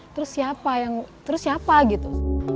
terus siapa yang terus siapa gitu